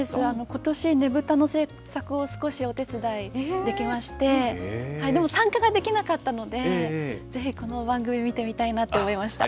ことし、ねぶたの制作を少しお手伝いできまして、でも参加ができなかったので、ぜひこの番組、見てみたいなと思いました。